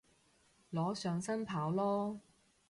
裸上半身跑囉